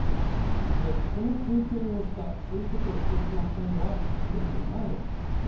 そして、この経験をしたそういうことをしてしまったのはもっと前ですよね。